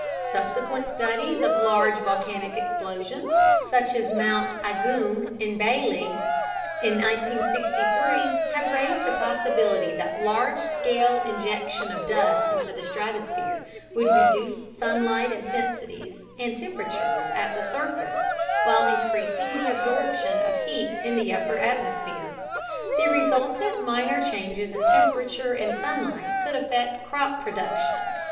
Subsequent studies of large volcanic explosions, such as Mt. Agung on Bali in 1963, have raised the possibility that large scale injection of dust into the stratosphere would reduce sunlight intensities and temperatures at the surface, while increasing the absorption of heat in the upper atmosphere. The resultant minor changes in temperature and sunlight could affect crop production.